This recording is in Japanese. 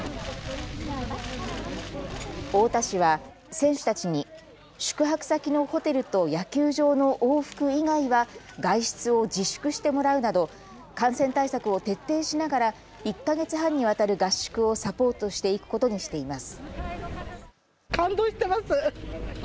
太田市は選手たちに宿泊先のホテルと野球場の往復以外は外出を自粛してもらうなど感染対策を徹底しながら１か月半にわたる合宿をサポートしていくことにしています。